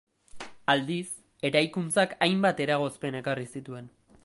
Aldiz, eraikuntzak hainbat eragozpen ekarri zituen.